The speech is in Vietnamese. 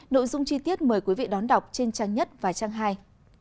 nội dung chi tiết mời quý vị đón đọc trên trang nhất và trang hai